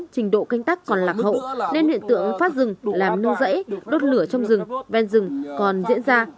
trình độ canh tắc còn lạc hậu nên hiện tượng phá rừng làm nương rẫy đốt lửa trong rừng ven rừng còn diễn ra